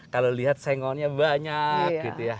kalau lihat sengonnya banyak gitu ya